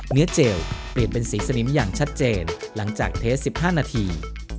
เจลเปลี่ยนเป็นสีสนิมอย่างชัดเจนหลังจากเทส๑๕นาที